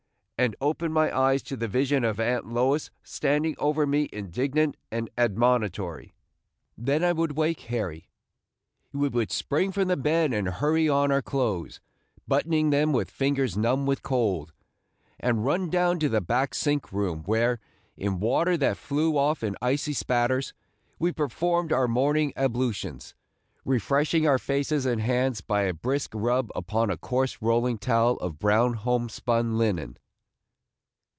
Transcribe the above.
and opened my eyes to the vision of Aunt Lois standing over me indignant and admonitory. Then I would wake Harry. We would spring from the bed and hurry on our clothes, buttoning them with fingers numb with cold, and run down to the back sink room, where, in water that flew off in icy spatters, we performed our morning ablutions, refreshing our faces and hands by a brisk rub upon a coarse rolling towel of brown homespun linen.